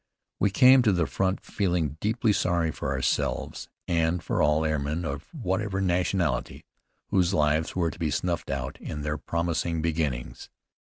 We came to the front feeling deeply sorry for ourselves, and for all airmen of whatever nationality, whose lives were to be snuffed out in their promising beginnings.